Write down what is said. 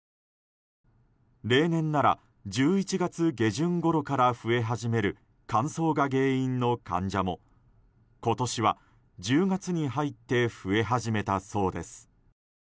例年なら１１月下旬ごろから増え始める乾燥が原因の患者も今年は１０月に入って増え始めたそうです。